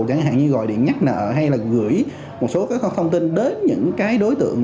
chẳng hạn như gọi điện nhắc nợ hay là gửi một số các thông tin đến những cái đối tượng